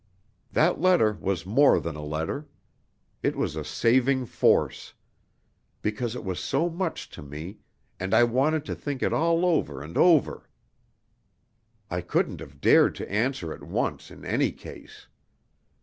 "That letter was more than a letter. It was a saving force. Because it was so much to me, and I wanted to think it all over and over, I couldn't have dared to answer at once in any case.